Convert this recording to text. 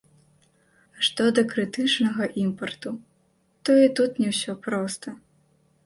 А што да крытычнага імпарту, то і тут не ўсё проста.